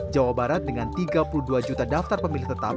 jawa barat dengan tiga puluh dua juta daftar pemilih tetap